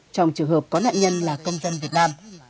trong trường hợp có nạn nhân là công dân việt nam